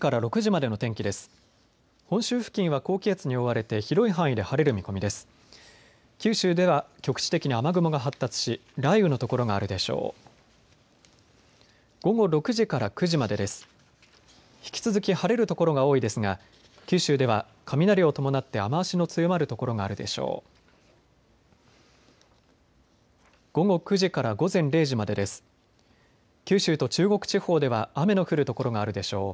引き続き晴れる所が多いですが九州では雷を伴って雨足の強まる所があるでしょう。